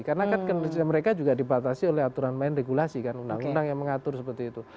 karena kan kinerja mereka juga dibatasi oleh aturan lain regulasi kan undang undang yang mengatur seperti itu